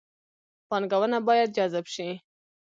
پانګونه باید جذب شي